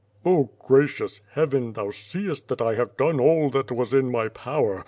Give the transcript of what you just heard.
0, gracious Heaven, Thou seest that I have done all that was in my power!